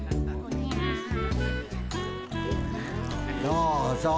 どうぞ。